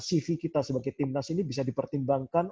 cv kita sebagai timnas ini bisa dipertimbangkan